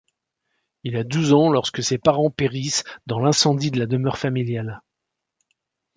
Il a douze ans lorsque ses parents périssent dans l'incendie de la demeure familiale.